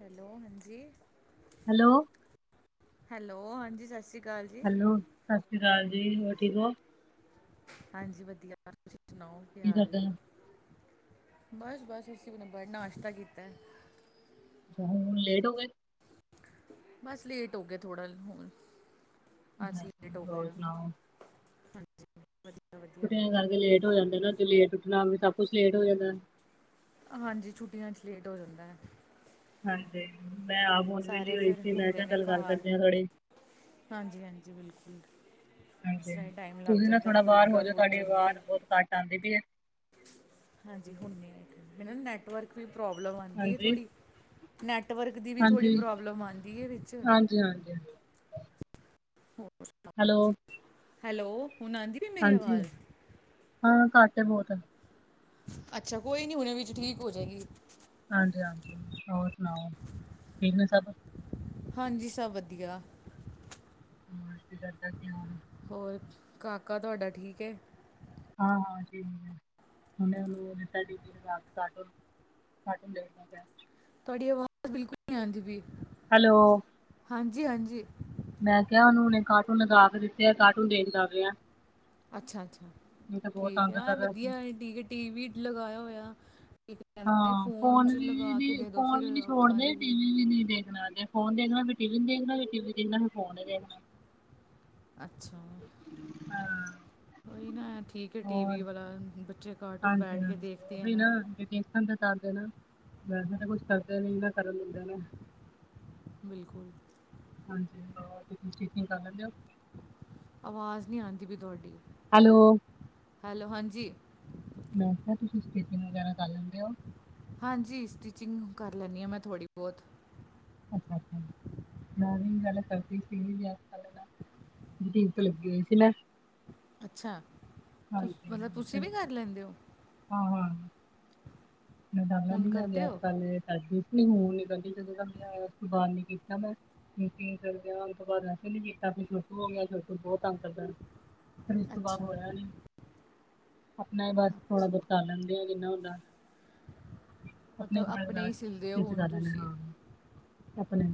Hello, ਹਾਂਜੀ। Hello. Hello ਹਾਂਜੀ, ਸਤਿ ਸ਼੍ਰੀ ਅਕਾਲ ਜੀ ਹੈਲੋ, ਸਤਿ ਸ਼੍ਰੀ ਅਕਾਲ ਜੀ ਹੋਰ ਠੀਕ ਓ? ਹਾਂਜੀ, ਵਧੀਆ ਤੁਸੀਂ ਸੁਣਾਓ ਕੀ ਹਾਲ ਕਰਦੇ ਐ? ਹੋ? ਬਸ ਬਸ ਅਸੀਂ ਵੀ ਹੁਣ ਨਾਸ਼ਤਾ ਕੀਤਾ। ਅੱਛਾ ਹੁਣ ਲੇਟ ਹੋਗੇ। ਬਸ ਲੇਟ ਹੋਗੇ ਥੋੜ੍ਹਾ ਹੁਣ ਅੱਛਾ ਅਸੀਂ ਅੱਛਾ, ਲੇਟ ਹੋਗੇ ਹੋਰ ਆ। ਸੁਣਾਓ ਹਾਂਜੀ, [inaudible] ਛੁੱਟੀਆਂ ਕਰਕੇ ਲੇਟ ਹੋ ਜਾਂਦਾ ਨਾ ਜੇ ਲੇਟ ਉੱਠਣਾ ਹੋਵੇ ਸਭ ਕੁਛ ਲੇਟ ਹੋ ਜਾਂਦਾ। ਹਾਂਜੀ, ਛੁੱਟੀਆਂ ਚ ਲੇਟ ਹੋ ਜਾਂਦਾ। ਹਾਂਜੀ, ਮੈਂ ਆਪ ਹੁਣ ਸਾਰੇ ਵਿਹਲੀ ਹੋਈ ਫਿਰ ਸੀ। ਮੈਂ ਕਿਹਾ ਚੱਲ ਗੱਲ ਕਰਦੇ ਆ ਥੋੜੀ। ਹਾਂਜੀ-ਹਾਂਜੀ, ਬਿਲਕੁਲ ਇਸ ਹਾਂਜੀ ਤਰਾਂ ਹੀ ਟਾਈਮ ਲੱਗ ਤੁਸੀਂ ਨਾ ਜਾਂਦਾ ਥੋੜਾ ਥੋੜ੍ਹੀ ਬਾਹਰ ਗੱਲ ਜਾਓ ਹੋ ਤੁਹਾਡੀ ਜਾਂਦੀ ਐ। ਆਵਾਜ਼ ਬਹੁਤ ਘੱਟ ਆਂਦੀ ਪਈ ਏ। ਹਾਂਜੀ, ਹੁਣ ਨੀ ਆਏਗੀ ਮੈਨੂੰ ਨਾ ਨੈਟਵਰਕ ਦੀ ਪ੍ਰੋਬਲਮ ਆਂਦੀ ਐ ਹਾਂਜੀ ਥੋੜ੍ਹੀ। ਨੈਟਵਰਕ ਦੀ ਵੀ ਥੋੜੀ ਹਾਂਜੀ ਪ੍ਰੋਬਲਮ ਆਂਦੀ ਏ ਵਿੱਚ। ਹਾਂਜੀ, ਹਾਂਜੀ। [inaudible] ਹੋਰ ਸੁਣਾਓ ਹੈਲੋ ਤੁਸੀਂ ਹੈਲੋ, ਹੁਣ ਆਂਦੀ ਹਾਂਜੀ, ਹਾਂ ਘੱਟ ਐ ਬੋਤ। ਅੱਛਾ, ਕੋਈ ਨੀ ਹੁਣੇ ਵਿੱਚ ਠੀਕ ਹੋਜੇਗੀ। ਹਾਂਜੀ, ਹਾਂਜੀ, ਹੋਰ ਸੁਣਾਓ ਠੀਕ ਨੇ ਸਭ? ਹਾਂਜੀ ਸਭ ਵਧੀਆ। [inaudible] ਹੋਰ ਕਾਕਾ ਤੁਹਾਡਾ ਠੀਕ ਏ? ਹਾਂ ਹਾ [unintelligible] [inaudible] ਤੁਹਾਡੀ ਆਵਾਜ਼ ਬਿਲਕੁਲ ਨੀ ਆਦੀ ਪਈ। ਹੈਲੋ, ਹਾਂਜੀ ਹਾਂਜੀ ਮੈਂ ਕਿਹਾ ਉਹਨੂੰ ਹੁਣੇ ਕਾਰਟੂਨ ਲਗਾ ਕੇ ਦਿੱਤੇ ਆ ਕਾਰਟੂਨ ਦੇਖਦਾ ਪਿਆ। ਅੱਛਾ-ਅੱਛਾ, ਨਹੀਂ ਤਾਂ ਬਹੁਤ ਠੀਕ ਤੰਗ ਐ ਆ ਕਰ ਰਿਹਾ ਸੀ ਵਧੀਆ ਟੀ ਵੀ ਲਗਾਇਆ ਹੋਇਆ। ਠੀਕ ਕਹਿੰਦੇ ਹਾਂ ਫੋਨ 'ਚ ਲਗਾ ਕੇ ਵੀ ਦੇ ਦਿਉ ਫੋਨ ਫਿਰ ਵੀ ਨੀ ਅੱਖਾਂ ਛੋੜਦੇ ਦੀ ਟੀ ਵੀ ਵੀ ਨੀ ਦੇਖਣਾ ਅੱਜ। ਫੋਨ ਦੇਖਣਾ ਫਿਰ ਟੀ ਵੀ ਟੀ ਦੇਖਣਾ ਵੀ ਟੀ ਵੀ ਦੇਖਣਾ ਫਿਰ ਨੀ ਫੋਨ ਦੇਖਣਾ। ਅੱਛਾ ਜੀ। ਹਾਂ ਠੀਕ ਐ ਹੋਰ ਟੀਵੀ ਵਾਲਾ ਬੱਚੇ ਕਾਰਟੂਨ ਹਾਂਜੀ ਬੈਠ ਕੇ ਹਾਂਜੀ ਦੇਖਦੇ ਐ ਉਹੀ ਨਾ। [unintelligible] ਵੈਸੇ ਤਾਂ ਕੁਛ ਕਰਦੇ ਨੀ ਨਾਂ ਕਰਨ ਦਿੰਦੇ ਨੇ, ਬਿਲਕੁਲ [inaudible] ਆਵਾਜ਼ ਨੀ ਆਦੀ ਪਈ ਤੁਹਾਡੀ। ਹੈਲੋ ਹੈਲੋ ਹਾਂਜੀ [unintelligible] ਹਾਂਜੀ ਸਟਿਚਿੰਗ ਕਰ ਲੈਂਦੀ ਆ ਮੈਂ ਥੋੜ੍ਹੀ ਬੋਤ। [inaudible] [unintelligible] ਮੈਂ ਅੱਛਾ, ਹਾਂਜੀ ਮਤਲਬ ਤੁਸੀਂ ਫਿਰ- ਵੀ ਕਰ ਲੈਦੇ ਔ? ਹਾਂ, ਹਾਂ। ਹੁਣ ਕਰਦੇ ਹੋ [inaudible] [unintelligible] ਤੋਂ ਬਾਅਦ [unintelligible] ਨੀ ਕੀਤਾ [unintelligible] ਛੋਟੂ ਹੋ ਗਿਆ ਛੋਟੂ ਬੋਤ ਤੰਗ ਕਰਦਾ ਏ। ਫਿਰ ਇਸ ਤੋਂ ਬਾਦ ਅੱਛਾ ਹੋਇਆ ਨੀ, ਆਪਣਾ ਏ ਬਸ, ਥੋੜਾ ਬੋਤ ਕਰ ਲੈਦੇ ਆ ਜਿੰਨਾ ਹੁੰਦਾ। ਮਤਲਬ ਕੱਪੜੇ ਆਪਣੇ ਵਗੈਰਾ ਈ ਸਿਲਦੇ ਔ ਸਟਿਚ ਹਣ ਕਰ ਲੈਣੇ ਤੁਸੀਂ, ਹਾਂ ਆਪਣੇ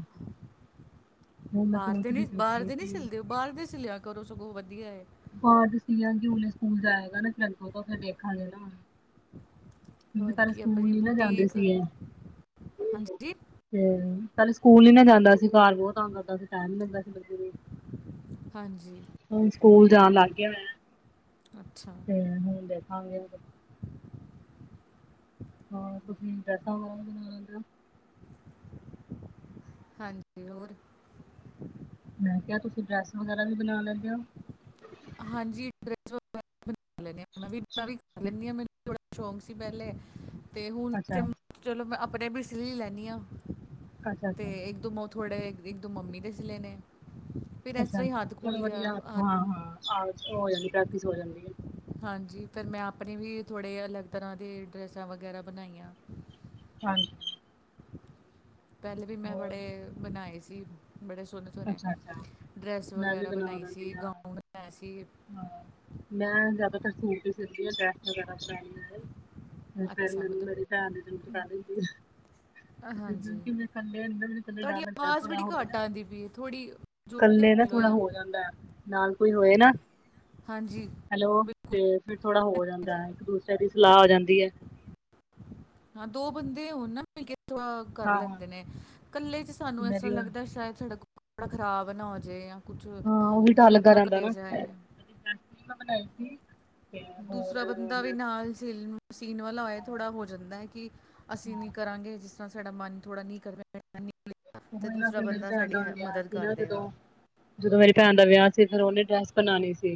ਹੁਣ ਮੈਂ ਬਾਰ ਦੇ ਨੀ ਸੋਚਦੀ ਪਈ ਬਾਰ ਸੀ ਦੇ ਨੀ ਕਿ ਸਿਲਦੇਓ ਬਾਹਰ ਦੇ ਸਿਲਿਆ ਕਰੋ ਸਗੋਂ ਵਧੀਆ ਏ। ਬਾਦ ਸੀਲਾਗੀ ਹੁਨੇ ਸਕੂਲ ਜਾਏਗਾ ਨਾ ਫਿਰ ਅੱਗੋਂ ਤੋਂ ਫਿਰ ਦੇਖਾਂਗੇ ਨਾ। [unintelligible] ਹੋਰ ਪਹਿਲਾ ਕੀ ਸਕੂਲ ਆਪਣੀ ਨੀ ਨਾ ਜਾਂਦੇ ਬੁਟੀਕ ਸੀ ਏ। ਹਾਂਜੀ, ਤੇ ਪਹਿਲੇ ਸਕੂਲ ਨੀ ਨਾ ਜਾਂਦਾ ਸੀ, ਘਰ ਬੋਤ ਤੰਗ ਕਰਦਾ ਸੀ ਟੈਮ ਨੀ ਲਗਦਾ ਸੀ ਬੱਚੇ ਨੂੰ ਹਾਂਜੀ। ਸਕੂਲ ਜਾਣ ਲੱਗ ਗਿਆ ਵੇ, ਅੱਛਾ ਹੂੰ ਹੁਣ ਦੇਖਾਂਗੇ। [inaudible] ਹਾਂ, ਤੁਸੀਂ ਡਰੈਸਾਂ [unintelligible] ਹਾਂਜੀ, ਹੋਰ? ਮੈਂ ਕਿਆ ਤੁਸੀਂ ਡਰੈਸ ਵਗੈਰਾ ਵੀ ਬਣਾ ਲੈਂਦੇ ਓ? ਹਾਂਜੀ [unintelligible] ਲੈਨੀ ਆ ਆਪਣਾ ਮੈਂ ਵੀ ਮੈਂ ਵੀ ਕਰ ਲੈਂਨੀ ਆਂ ਮੈਨੂੰ ਬੜਾ ਸ਼ੌਕ ਸੀ ਪਹਿਲੇ। ਤੇ ਹੁਣ ਅੱਛਾ ਚਲੋ ਮੈਂ ਆਪਨੇ ਵੀ ਸਿਲੀ ਲੈਂਨੀ ਆਂ ਅੱਛਾ ਤੇ ਅੱਛਾ ਇੱਕ ਦੋ ਮੌਤ ਥੋੜੇ ਇੱਕ ਦੋ ਮੰਮੀ ਦੇ ਸਿਲੇ ਨੇ, ਫਿਰ ਏਸ ਤਰਾ ਈ ਹੱਥ ਖੁਲ ਗਿਆ। ਹੱਥ ਹਾਂ-ਹਾਂ, ਆ ਹੋ ਜਾਂਦੀ ਪ੍ਰੈਕਟਿਸ ਹੋ ਜਾਂਦੀ ਐ। ਹਾਂਜੀ, ਫਿਰ ਮੈਂ ਆਪਣੇ ਵੀ ਥੋੜੇ ਅਲੱਗ ਤਰਾ ਦੇ ਡਰੈਸਾਂ ਵਗੈਰਾ ਬਣਾਈਆਂ। ਹਾਂਜੀ। ਪਹਿਲੇ ਵੀ ਮੈਂ ਹੋਰ ਬੜੇ ਬਨਾਏ ਸੀ, ਬੜੇ ਸੋਹਨੇ ਅੱਛਾ ਅੱਛਾ ਡਰੈਸ ਮੈਂ ਵੀ ਵਗੈਰਾ ਬਣਾ ਬਨਾਈ ਲੈਂਦੀ ਸੀ, ਹਾਂ ਗਾਊਨ [unintelligible] ਸੀ। ਹਾਂ, ਮੈਂ ਜ਼ਿਆਦਾਤਰ ਸੂਟ ਵੀ ਸਿਲਦੀ ਆ, ਡਰੈਸਾ ਵਗੈਰਾ ਬਣਾਈਆਂ ਨੇ। ਫੇਰ ਅੱਛਾ ਮੈਨੂੰ ਮੇਰੀ ਮਤਲਬ ਭੈਣ ਦੀ ਜ਼ਰੂਰਤ ਪੈ ਜਾਂਦੀ ਐ। ਹਾਂਜੀ ਕਿਤੇ ਕੱਲੇ ਅੰਦਰ ਨੇ ਕੱਲੇ ਤੁਹਾਡੀ ਡਰ ਲੱਗਦੇ ਆਵਾਜ਼ ਥੋੜਾ ਬੜੀ ਹੋਵੇ ਘੱਟ ਨਾ। ਆਉਂਦੀ ਪਈ ਹੈ ਥੋੜੀ ਜ਼ੋਰ ਦੀ ਕੱਲੇ ਨਾ ਬੋਲੋ ਥੋੜਾ ਆ ਹੋ ਜਾਂਦਾ ਐ ਨਾਲ ਕੋਈ ਹੋਏ ਨਾ। ਹਾਂਜੀ ਹੈਲੋ, ਬਿਲਕੁਲ ਤੇ ਫੇਰ ਥੋੜਾ ਹੋ ਹਾਂਜੀ ਜਾਂਦਾ ਇੱਕ ਦੂਸਰੇ ਦੀ ਸਲਾਹ ਹੋ ਜਾਂਦੀ ਐ। ਹਾਂ ਦੋ ਬੰਦੇ ਓਹਨਾ ਦੇ ਕਿਥੋ ਆ, ਕਰ ਹਾਂ ਹਾਂ ਲੈਂਦੇ ਨੇ, ਕੱਲੇ ਚ ਸਾਨੂੰ ਇਸ ਮੇਰੀ ਤਰ੍ਹਾਂ ਹਾਂ ਲੱਗਦਾ ਸ਼ਾਇਦ ਸਾਡਾ ਕ, ਕੱਪੜਾ ਖਰਾਬ ਨਾ ਹੋ ਜੇ। ਕੁਛ, ਉਹੀ ਡਰ ਗਲਤ ਲੱਗਾ ਨਾ ਰਹਿੰਦਾ ਕੱਟਿਆ ਜਾਏ। [unintelligible] ਬਣਾਈ ਸੀ, ਤੇ ਹੋਰ ਦਾ ਵੀ ਮੈਂ ਨਾਲ ਸਿਲਮਾ ਸੀਨ ਵਾਲਾ ਹੋਏ ਥੋੜਾ ਹੋ ਜਾਂਦਾ ਹੈ ਕੀ, ਅਸੀਂ ਨੀ ਕਰਾਂਗੇ ਜਿਸ ਤਰ੍ਹਾਂ ਸਾਡਾ ਮਨ ਥੋੜਾ ਨਹੀਂ ਕਰ ਰਿਆ। [unintelligible] ਤੇ ਉਹੀ ਨਾ ਦੂਸਰਾ ਫਿਰ ਮੇਰੀ ਬੰਦਾ ਭੈਣ ਦਾ ਸਾਡੀ ਹੁਣ ਹੈ ਵਿਆਹ ਮਦਦ ਸੀ ਕਰ ਨਾ ਰਿਆ, ਜਦੋਂ ਜਦੋਂ ਮੇਰੀ ਭੈਣ ਦਾ ਵਿਆਹ ਸੀ ਫਿਰ ਉਹਨੇ ਡਰੈਸ ਬਣਾਉਣੀ ਸੀ,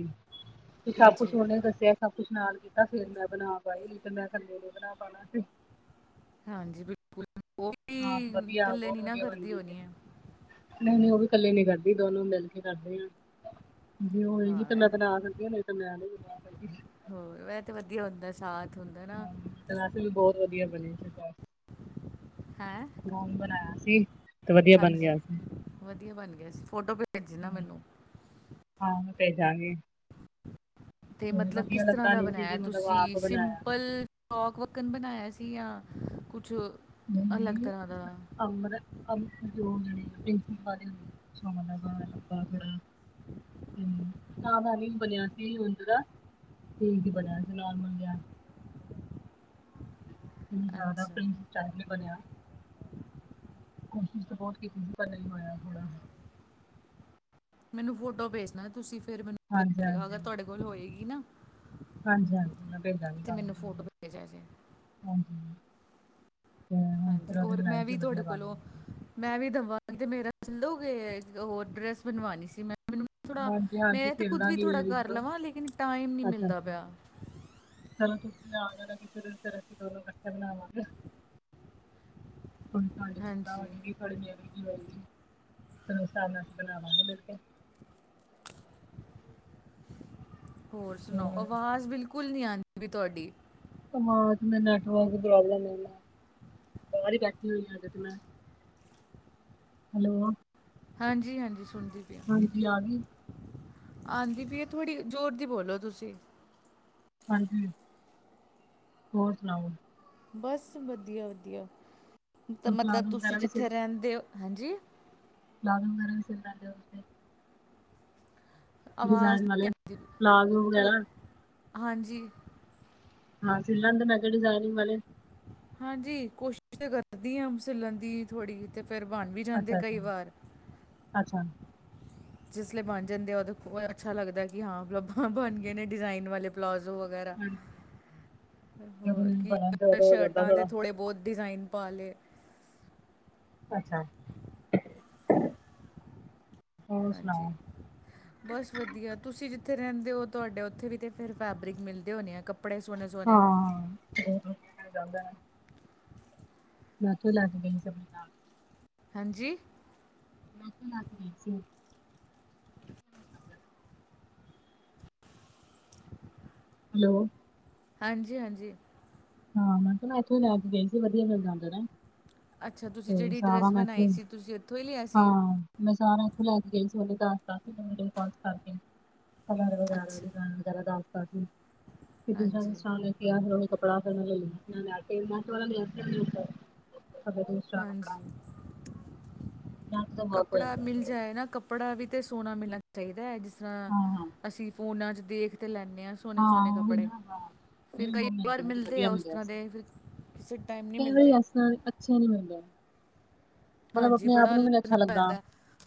ਤੇ ਸਭ ਕੁਛ ਹਾਂਜੀ ਉਹਨੇ ਦੱਸਿਆ ਸਭ ਕੁਛ ਨਾਲ ਕੀਤਾ ਫੇਰ ਮੈਂ ਬਣਾ ਪਾਈ ਤੇ ਮੈਂ ਇਕੱਲੇ ਨੀ ਬਣਾ ਪਾਣਾ ਸੀ ਹਾਂਜੀ ਬਿਲਕੁਲ ਉਹ ਹਾਂ ਤੇ ਵੀ, ਵਧੀਆ ਕੱਲੇ ਨੀ ਨਾ ਕਰਦੀ ਹੋ ਨੀ ਏ। ਨਈ-ਨਈ ਓ ਵੀ ਕੱਲੇ ਨੀ ਕਰਦੀ ਦੋਨੋ ਮਿਲ ਕੇ ਕਰਦੇ ਆ ਜੇ ਉਹ ਹੋਏਗੀ ਤੇ ਹਾਂ ਮੈਂ ਬਣਾ ਦਿੰਦੀ ਮੈਂ ਨਈ ਨਾ ਕਰਦੀ ਹੋਰ ਵੈਹੇ ਤੇ ਵਦੀਆ ਹੁੰਦਾ ਐ ਸਾਥ। ਹੁੰਦਾ ਨਾ ਹਾਂ [unintelligible] ਵੀ ਬਹੁਤ ਵਧੀਆ ਬਣੇ ਹੈਂ। ਹੋਮ ਬਣਾਇਆ ਸੀ। ਤੇ ਵਧੀਆ ਬਣ ਹਾਂਜੀ, ਗਿਆ ਸੀ ਵਧੀਆ ਬਣ ਗਿਆ ਸੀ ਫੋਟੋ ਭੇਜਨਾ ਮੈਨੂੰ। ਹਾਂ, ਭੇਜਾਂਗੀ। ਤੇ ਮਤਲਬ ਕਿਸ ਤਰਾ ਲੱਗਾ ਦਾ ਨੀ ਸੀ ਬਣਾਇਆ ਕਿ ਮਤਲਬ ਤੁਸੀਂ ਆਪ ਬਣਾਇਆ ਸਿੰਪਲ ਓਕ ਵਕਨ ਬਣਾਇਆ ਸੀ ਯਾਂ ਕੁਛ ਨਹੀਂ ਅਲੱਗ ਨਹੀਂ ਤਰਾਂ ਦਾ। ਅਮਰ ਅਮ ਜੋ ਜਏ ਪ੍ਰਿੰਸੀਪਲ ਹੁੰਦੇ ਸ ਲ ਲੰਬਾ ਥੋੜਾ, ਹੂੰ [unintelligible] ਬਣਿਆ ਸੀ ਉਝ ਦਾ। ਠੀਕ ਹੀ ਬਣਿਆ ਸੀ ਨੋਰਮਲ ਜਿਹਾ। ਮੈਨੂੰ ਜ਼ਿਆਦਾ ਅੱਛਾ ਪਈ। ਚੰਗਾ ਨੀ ਬਣਿਆ, ਕੋਸ਼ਿਸ਼ ਤਾਂ ਬਹੁਤ ਕੀਤੀ ਸੀ, ਪਰ ਨਹੀ ਹੋਇਆ ਥੋੜਾ। ਮੈਨੂੰ ਫੋਟੋ ਭੇਜਣਾ ਤੁਸੀ ਫਿਰ ਮੈਨੂੰ ਪਤਾ ਹਾਂਜੀ ਚਲੇਗਾ, ਅਗਰ ਤੁਹਾਡੇ ਕੋਲ ਹੋਏਗੀ ਨਾ। ਹਾਂਜੀ-ਹਾਂਜੀ ਮੈਂ ਭੇਜ ਦਾਗੀ ਤੇ ਮੈਨੂੰ ਫੋਟੋ ਤੁਹਾਨੂੰ, ਭੇਜਿਆ ਜੇ ਹਾਂਜੀ। ਤੇ ਹੁਣ ਫਿਰ ਹਾਂਜੀ, ਉਹਦੇ ਔਰ ਬਣਾਈ ਮੈਂ ਸੀ ਵੀ ਤੁਹਾਡੇ ਵਧੀਆ ਬਣ ਕੋਲੋ ਗਈ ਸੀ ਮੈਂ ਵੀ ਦਵਾਂ ਤੇ ਮੇਰੇ ਵੀ ਸਿਲ ਦੋਗੇ, ਹੋਰ ਡਰੈਸ ਬਣਵਾਉਣੀ ਸੀ ਮੈ ਮੈਨੂੰ ਥੋੜਾ ਹਾਂਜੀ ਹਾਂਜੀ ਮੈਂ ਤੇ ਖੁਦ ਵੀ ਸਿਲਦਾਂਗੀ ਥੋੜਾ ਮੇਰੀ ਕਰ ਜਦੋਂ ਲਵਾ ਲੇਕਿਨ ਟਾਈਮ ਨਹੀਂ ਅੱਛਾ, ਮਿਲਦਾ ਪਿਆ ਚਲੋ ਤੁਸੀਂ ਆ ਜਾਣਾ ਕਿਸੇ ਦਿਨ, ਫਿਰ ਅਸੀਂ ਦੋਨੋ ਇੱਕਠੇ ਬਣਾਵਾਂਗੇ। ਜਦੋ ਤੁਹਾਡੀ ਵੀ ਸਲਾਹ ਹਾਂਜੀ ਹੋਜੂਗੀ। ਹਾਂਜੀ-ਹਾਂਜੀ, ਕੋਈ ਨੀ, ਫਿਰ ਉਸ ਹਿਸਾਬ ਨਾਲ ਅਸੀਂ ਬਣਾਵਾਂਗੇ ਮਿਲ ਕੇ। ਹੋਰ ਸੁਣਾਓ, ਆਵਾਜ਼ ਬਿਲਕੁਲ ਨੀ ਆਉਦੀ ਤੁਹਾਡੀ। ਆਵਾਜ਼ ਮੇਰੇ ਨੈੱਟਵਰਕ ਦੀ ਪ੍ਰੋਬਲਮ ਏ ਨਾ। ਅਵਾਜ਼ ਕੱਟ ਹੋਈ ਜਾ ਰਹੀ ਮੈਮ, ਹੈਲੋ, ਹਾਂਜੀ-ਹਾਂਜੀ ਸੁਣਦੀ ਪਈ, ਹਾਂਜੀ ਆ ਗਈ। ਆਂਦੀ ਪਈ ਏ, ਥੋੜ੍ਹੀ ਜ਼ੋਰ ਦੀ ਬੋਲੋ ਤੁਸੀਂ। ਹਾਂਜੀ, ਹੋਰ ਸੁਣਾਓ? ਬਸ ਵਧੀਆ ਵਧੀਆ, ਇਹਦਾ ਮਤਲਬ ਪਲਾਜ਼ੋ ਤੁਸੀਂ ਵਗੈਰਾ ਵੀ ਜਿੱਥੇ ਰਹਿੰਦੇ ਔ, ਹਾਂਜੀ। ਫਰਾਕ ਵਗੈਰਾ ਵੀ ਸੀ ਲੈਂਦੇ ਹੋ ਤੁਸੀਂ? [inaudible] ਆਵਾਜ਼ ਡਿਜ਼ਾਇਨ ਵਾਲੇ, ਨਹੀਂ ਫਲਾਗ ਆਉਂਦੀ। ਭਲ- ਵਗੈਰਾ। ਹਾਂਜੀ। ਹਾਂ ਸੀ ਲੈਂਦੇ ਮੈਂ ਕਿਹਾ ਡਿਜਾਇਨਿੰਗ ਵਾਲੇ? ਹਾਂਜੀ ਕੋਸ਼ਿਸ਼ ਤਾਂ ਕਰਦੀ ਆ ਸਿਲਣ ਦੀ। ਥੋੜ੍ਹੀ ਤੇ ਫਿਰ ਬਣ ਵੀ ਜਾਂਦੇ ਅੱਛਾ ਅੱਛਾ ਕਈ ਵਾਰ। ਅੱਛਾ। ਜਿਸਲੇ ਬਣ ਜਾਂਦੇ ਆ ਉਹਦੇ ਉਹ ਅੱਛਾ ਲੱਗਦਾ ਕਿ ਹਾਂ ਬਣ ਗਏ ਨੇ ਡਿਜ਼ਾਇਨ ਵਾਲੇ। ਪਲਾਜ਼ੋ ਵਗੈਰਾ। ਹਾਂਜੀ ਜਦੋਂ ਹੋਰ ਨਹੀਂ ਕੀ ਬਣਨ ਤੇ ਉਦੋਂ ਹੋ ਜਾਂਦਾ ਸ਼ਰਟਾਂ ਤੇ ਥੋੜਾ ਥੋੜੇ ਬਹੁਤ ਡਿਜ਼ਾਇਨ ਪਾ ਲਏ। ਅੱਛਾ। ਹੋਰ ਹਾਂਜੀ। ਸੁਣਾਓ ਬਸ ਵਧੀਆ, ਤੁਸੀਂ ਜਿੱਥੇ ਰਹਿੰਦੇ ਹੋ ਤੁਹਾਡੇ ਉੱਥੇ ਵੀ ਤਾਂ ਫਿਰ ਫੈਬਰਿਕ ਮਿਲਦੇ ਹੋਣੇ ਆ ਕੱਪ। ਹਾਂ [inaudible] ਮੈਂ ਉਥੋਂ ਲੈ ਕੇ ਗਈ ਸੀ ਸਭ ਨਾ। ਹਾਂਜੀ? ਮੈਂ ਉਥੋਂ ਲੈ ਕੇ ਗਈ ਸੀ। [inaudible] ਹੈਲੋ ਹਾਂਜੀ ਹਾਂਜੀ। ਹਾਂ ਮੈਂ ਕਿਹਾ ਮੈਂ ਇੱਥੋਂ ਹੀ ਲੈ ਕੇ ਗਏ ਸੀ ਵਧੀਆ ਮਿਲ ਜਾਂਦੇ ਨੇ। ਅੱਛਾ ਤੁਸੀਂ ਜਿਹੜੀ ਡਰੈੱਸ ਬਣਾਈ ਸੀ ਤੁਸੀਂ ਇੱਥੋਂ ਹੀ ਲਿਆ ਹਾਂ ਸੀ। ਮੈਂ ਸਾਰਾ ਇੱਥੋਂ ਲੈ ਕੇ ਗਏ ਸੀ, ਉਹਨੇ ਦੱਸਤਾ ਸੀ ਮੈਨੂੰ ਕੋਲਸ ਕਰਕੇ। [inaudible] ਕਲਰ ਵਗੈਰਾ ਅੱਛਾ ਡਿਜਾਇਨ ਵਗੈਰਾ ਦੱਸਦਾ ਸੀ, ਜਿਸ ਤਰਾਂ ਹਾਂਜੀ ਕਿਸੇ ਨੇ ਕਿਹਾ ਉਹੀ ਕੱਪ [inaudible] ਕੱਪੜਾ ਤੇ ਮੈਂ ਲੈ ਲਿਆ ਸੀ ਮੈਂ ਜਾ ਕੇ, [inaudible] ਦੂਸਰਾ ਕੱਪੜਾ। ਹਾਂਜੀ ਨੈਟ ਦਾ ਵਰਕ ਹੋਇਆ ਕੱਪੜਾ ਪਿਆ ਸੀ ਮਿਲ ਉਹਦਾ। ਜਾਏ ਨਾ ਕੱਪੜਾ ਵੀ ਤੇ ਸੋਹਣਾ ਮਿਲਣਾ ਚਾਹੀਦਾ ਐ। ਹਾਂ ਹਾਂ-ਹਾਂ, ਅਸੀਂ ਫੋਨਾਂ 'ਚ ਦੇਖ ਤੇ ਲੈਣੇ ਆ ਸੋਹਣੇ ਹਾਂ ਸੋਹਣੇ ਹਾਂ ਉਹੀ ਕੱਪੜੇ। ਨਾ ਹਾਂ। ਫਿਰ ਨਹੀਂ ਕਈ ਉਹ ਮਿਲ ਵਾਰ ਗਿਆ ਸੀ ਮਿਲਦੇ ਵਧੀਆ ਆ ਉਸ ਮਿਲਿਆ ਤਰ੍ਹਾਂ ਸੀ। ਦੇ, ਫਿਰ ਕਿਸੇ ਟਾਈਮ ਨੀ ਮਿਲਦੇ। ਸੀ ਨੀ ਮਿਲਦੇ। ਮਤਲਬ ਹਾਂਜੀ ਆਪਣੇ ਆਪ ਬੜਾ ਨੂੰ ਵੀ ਨੀ ਲੱਭਣਾ ਅੱਛਾ ਲੱਗਦਾ। ਪੈਂਦਾ।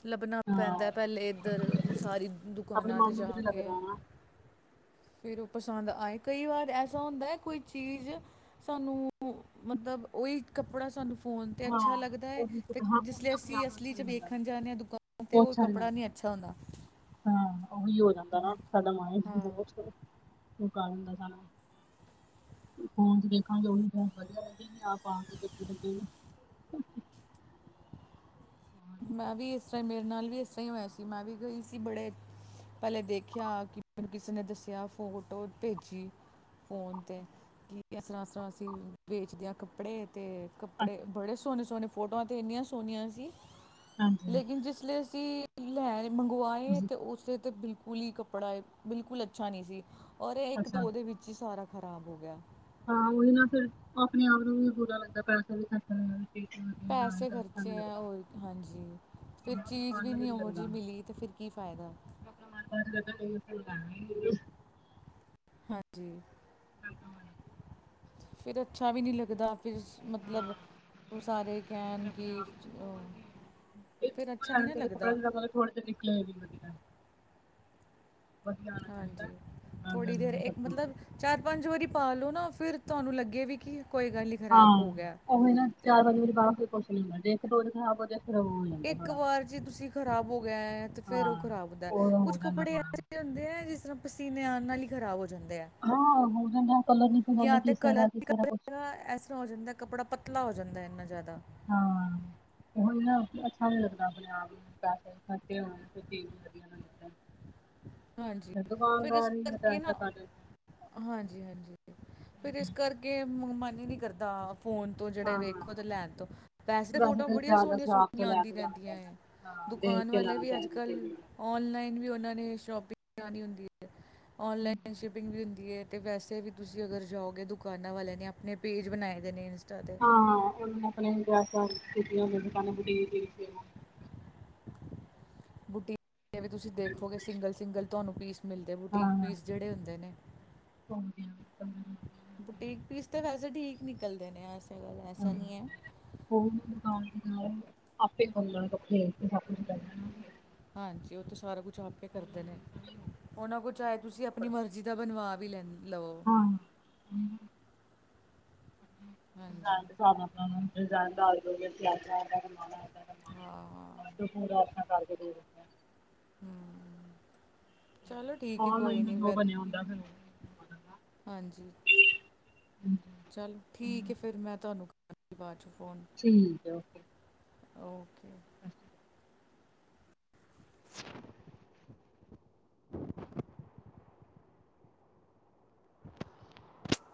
ਲੱਭਣਾ ਪੈਂਦਾ ਹਾਂ। ਪਹਿਲੇ ਇੱਧਰ ਸਾਰੀ ਆਪਣੇ ਦੁਕਾਨਾਂ ਤੇ ਮਨ ਨੂੰ ਜਾ ਵੀ ਨੀ ਕੇ। [inaudible] ਫੇਰ ਉਹ ਪਸੰਦ ਆਏ ਕਈ ਵਾਰ ਐਸਾ ਹੁੰਦਾ ਕੋਈ ਚੀਜ਼। ਸਾਨੂੰ ਅ ਮਤਲਬ ਓਹੀ ਕੱਪੜਾ ਸਾਨੂੰ ਫੋਨ ਤੇ ਅੱਛਾ ਹਾਂ। ਲੱਗਦਾ ਏ। ਉਹੀ ਤੇ ਹਾਂ ਉਹੀ ਜੀਸਲੇ ਆਪਣੇ ਅਸੀਂ ਆਪ ਨੂੰ ਅਸਲੀ ਅੱਛਾ ਚ ਨੀ ਲੱਗਦਾ ਵੇਖਣ ਜਾਨੇ ਆ ਦੁਕਾਨ ਤੇ ਉਹ ਕਪੜਾ ਨੀ ਅੱਛਾ ਹੁੰਦਾ। ਹਾਂ ਉਹੀ ਹੋ ਜਾਂਦਾ ਨਾ ਕਦਮ ਆਏ ਹਾਂ ਬਹੁਤ। [unintelligible] [inaudible] ਮੈਂ ਵੀ ਇਸਰੈ ਮੇਰੇ ਨਾਲ ਵੀ ਇਸੇ ਹੀ ਹੋਇਆ ਸੀ ਮੈਂ ਵੀ ਗਈ ਸੀ ਬੜੇ। ਪੈਲੇ ਦੇਖਿਆ ਕਿ ਮੈਨੂੰ ਕਿਸੇ ਨੇ ਦੱਸਿਆ ਫੋਟੋ ਭੇਜੀ। ਫੋਨ ਤੇ ਕੀ ਐਸ ਤਰ੍ਹਾਂ ਐਸ ਤਰ੍ਹਾਂ ਅਸੀ ਵੇਚਦੇ ਹਾਂ ਕੱਪੜੇ ਤੇ। ਕੱਪੜੇ ਅੱਛਾ ਬੜੇ ਸੋਹਨੇ-ਸੋਹਨੇ ਫੋਟੋਆਂ 'ਤੇ ਐਨੀਆਂ ਸੋਹਣੀਆਂ ਸੀ। ਹਾਂਜੀ। ਲੇਕਿਨ ਜਿਸਲਈ ਅਸੀਂ ਲੈ ਮੰਗਵਾਏ ਤੁਸੀਂ ਤੇ ਉਸੇ ਤੇ ਬਿਲਕੁਲ ਇ ਕਪ। ਕੱਪੜਾ ਬਿਲਕੁਲ ਅੱਛਾ ਨੀ ਸੀ ਔਰ ਏਕ ਅੱਛਾ ਧੋ ਦੇ ਵਿੱਚ ਹੀ ਸਾਰਾ ਖ਼ਰਾਬ ਹੋ ਗਿਆ। ਹਾਂ ਓਹੀ ਨਾ ਫੇਰ ਆਪਣੇ ਆਪ ਨੂੰ ਵੀ ਬੁਰਾ ਲੱਗਦਾ ਪੈਸਾ ਵੀ ਖਰ ਪੈਸੇ ਖਰਚੇ ਐ ਲੱਗਦਾ ਓ ਹਾਂਜੀ। ਫਿਰ ਹਾਂ, ਆਪਣੇ ਚੀਜ਼ ਮਨ ਵੀ ਨੂੰ ਨੀ ਓਹੋ ਲੱਗਦਾ ਜੀ ਮਿਲੀ ਤੇ ਫਿਰ ਕੀ ਫਾਇਦਾ। [unintelligible] ਹਾਂਜੀ। ਫਿਰ ਫਿਰ ਅੱਛਾ ਵੀ ਨੀ ਲੱਗਦਾ ਫਿਰ ਅ ਮਤਲਬ, ਉਹ ਸਾਰੇ ਕਹਿਣ ਕੀ ਆਪਣੇ ਆਪ ਉਹ ਅ ਕੀ ਇੱਕ ਫਿਰ ਉਹ ਅੱਛਾ ਨੀ ਲੈਣਾ ਨਾ ਚਾਹੀਦਾ ਕੱਪੜਾ ਲੱਗਦਾ। [unintelligible] ਵਧੀਆ ਆਉਣਾ ਹਾਂਜੀ। ਚਾਹੀਦਾ ਥੋੜ੍ਹੀ ਦੇਰ ਸਭ ਇੱਕ ਕੁਛ ਮਤਲਬ ਚਾਰ ਪੰਜ ਵਾਰੀ ਪਾਲੋ ਨਾ ਫਿਰ ਤੁਹਾਨੂੰ ਲੱਗੇ ਵੀ ਕਿ ਕੋਈ ਗੱਲ ਨੀ ਹਾਂ ਖ਼ਰਾਬ ਹੋ ਗਿਆ। ਤੇ [unintelligible] ਜਾਂਦਾ ਇੱਕ ਥੋੜਾ ਵਾਰ ਜੀ ਤੁਸੀਂ ਖ਼ਰਾਬ ਹੋ ਗਿਆ ਐ ਤੇ ਫੇਰ ਹਾਂ ਉਹ ਖ਼ਰਾਬ ਹੁੰਦਾ। ਉਹ ਕੁਛ ਹੋ ਜਾਂਦਾ ਕੱਪੜੇ ਥੋੜਾ ਐਸੇ ਹੁੰਦੇ ਐ ਜਿਸ ਤਰ੍ਹਾਂ ਪਸੀਨੇ ਆਣ ਨਾਲ ਈ ਖਰਾਬ ਹੋ ਜਾਂਦੇ ਐ। ਹਾਂ, ਹੋ ਜਾਂਦਾ ਕਲਰ ਨੀ ਪਸੰਦ ਤੇ ਕਿਸੇ ਕਲਰ ਦਾ ਵੀ ਕਿਸੇ ਦਾ ਕਲਰ ਕੁਛ। [unintelligible] ਹੋ ਜਾਂਦਾ ਕੱਪੜਾ ਪਤਲਾ ਹੋ ਜਾਂਦਾ ਇੰਨਾ ਜ਼ਿਆਦਾ। ਹਾਂ। ਹੁਣ ਅੱਛਾ ਨੀ ਲੱਗਦਾ ਪਿਆ ਹਾਂਜੀ ਫਿਰ ਇਸ ਕਰਕੇ ਨਾ [unintelligible] [unintelligible] ਹਾਂਜੀ ਹਾਂਜੀ, ਫਿਰ ਇਸ ਕਰਕੇ ਮ ਮਨ ਈ ਨੀ ਕਰਦਾ ਫੋਨ ਤੋਂ ਜਿਹੜਾ ਹਾਂ ਏ ਹਾਂ ਵੇਖੋ ਤੇ ਲੈਣ ਤੋ ਵੈਸੇ ਫੋਟੋਆਂ ਤਾਂ ਬੜੀਆਂ ਜ਼ਿਆਦਾ ਸ਼ਰਾਬ ਤੋਂ ਸੋਹਣੀਆਂ-ਸੋਹਣੀਆਂ ਲੈ ਆਂਦੀ ਕੇ ਜਾਣਾ ਰਹਿੰਦੀਆਂ ਚਾਹੀਦਾ ਐ। ਹਾਂ ਦੇਖ ਦੁਕਾਨ ਕੇ ਵਾਲੇ ਲੈਣਾ ਵੀ ਚਾਹੀਦਾ ਚੀਜ਼ ਅੱਜ-ਕੱਲ੍ਹ। ਵਗੈਰਾ ਔਨਲਾਈਨ ਵੀ ਉਹਨਾਂ ਨੇ ਸ਼ੋਪਿੰਗ [unintelligible] ਹੁੰਦੀ ਏ, ਔਨਲਾਈਨ ਸ਼ਿਪਿੰਗ ਵੀ ਹੁੰਦੀ ਏ। ਤੇ ਵੈਸੇ ਵੀ ਤੁਸੀਂ ਅਗਰ ਜਾਓਗੇ ਦੁਕਾਨਾਂ ਵਾਲਿਆਂ ਨੇ ਆਪਣੇ ਪੇਜ ਬਣਾਏ ਦੇ ਨੇ। ਤੇ ਹਾਂ [unintelligible] ਬੁਟੀਕ ਦੇ ਵੀ ਤੁਸੀਂ ਦੇਖੋਗੇ ਸਿੰਗਲ-ਸਿੰਗਲ ਤੁਹਾਨੂੰ ਪੀਸ ਮਿਲਦੇ ਬੁਟੀਕ ਹਾਂ ਪੀਸ ਜਿਹੜੇ ਹੁੰਦੇ ਨੇ। [inaudible] ਬੁਟੀਕ ਪੀਸ ਤਾਂ ਵੈਸੇ ਠੀਕ ਨਿਕਲਦੇ ਨੇ ਐਸੇ ਗੱਲ ਐਸਾ ਨੀ ਐ। [inaudible] ਹਾਂਜੀ ਓ ਤੇ ਸਾਰਾ ਕੁ ਛ ਆਪੇ ਕਰਦੇ ਨੇ ਔਨਲਾਈਨ ਤਾਂ ਵੀ ਹੋ ਉਹਨਾਂ ਕੋਲ ਚਾਹੇ ਜਾਂਦਾ ਤੁਸੀਂ ਆਪਣੀ ਕੱਪੜਾ ਮਰਜ਼ੀ ਦਾ ਬਣਵਾ ਵੀ ਲੈ ਲੋ। ਹਾਂ। ਹਾਂਜੀ [inaudible] ਹਾਂ। [inaudible] ਹਮ ਚਲੋ ਠੀਕ ਏ ਕੋਈ ਔਨਲਾਈਨ ਨੀ ਜੋ ਫਿਰ ਬਣਿਆ ਹੁੰਦਾ ਫਿਰ ਹੋ ਜਾਂਦਾ। ਹਾਂਜੀ। ਚੱਲ ਠੀਕ ਐ ਫਿਰ ਮੈਂ ਤੁਹਾਨੂੰ ਕਰਦੀ ਆ ਬਾ ਚੋ ਫੋਨ। ਠੀਕ ਐ। ਓਕੇ। [inaudible] [inaudible]